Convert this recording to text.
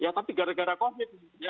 ya tapi gara gara covid